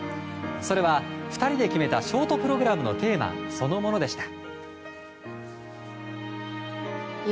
それは２人で決めたショートプログラムのテーマそのものでした。